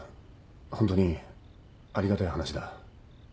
ホントにありがたい話だ。